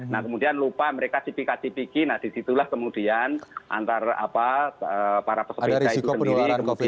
nah kemudian lupa mereka tipik tipiki nah disitulah kemudian antara apa para peserta itu sendiri